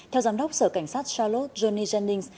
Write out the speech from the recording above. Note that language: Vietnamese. theo giám đốc sở cảnh sát charlotte johnny jennings